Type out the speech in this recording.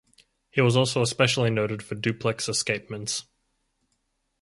He was also especially noted for duplex escapements.